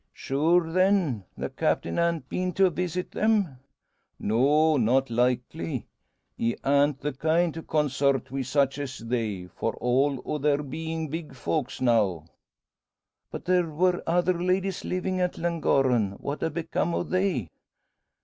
"Sure, then, the Captain han't been to visit them?" "No, not likely. He an't the kind to consort wi' such as they, for all o' their bein' big folks now." "But there were other ladies livin' at Llangorren. What ha' become o' they?"